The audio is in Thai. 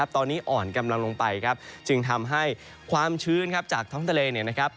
ตอนนี้อ่อนกำลังลงไปครับจึงทำให้ความชื้นจากท้องทะเลเนี่ยนะครับ